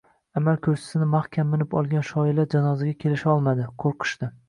Amal kursisini maxkam minib olgan shoirlar janozaga kelisholmadi, qo’rqishdi.